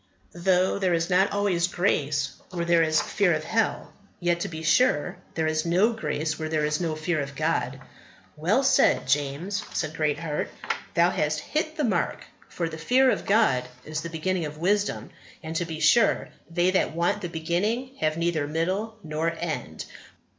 "Though there is not always grace where there is fear of hell; yet, to be sure, there is no grace where there is no fear of God." "Well said, James," said Greatheart; "thou hast hit the mark, for the fear of God is the beginning of wisdom; and, to be sure, they that want the beginning have neither middle nor end."